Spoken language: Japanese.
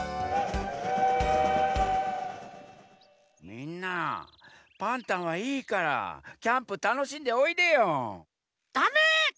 みんなパンタンはいいからキャンプたのしんでおいでよ！だめ！